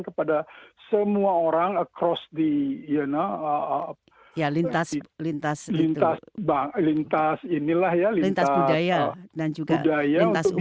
kepada semua orang across the lintas budaya dan juga lintas umur